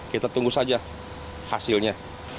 kita tunggu saja hasilnya